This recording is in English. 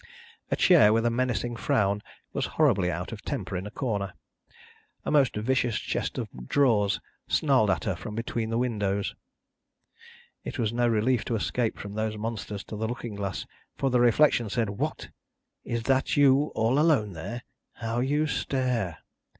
A chair with a menacing frown was horribly out of temper in a corner; a most vicious chest of drawers snarled at her from between the windows. It was no relief to escape from those monsters to the looking glass, for the reflection said, "What? Is that you all alone there? How you stare!"